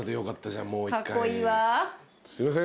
すいません